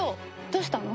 どうしたの？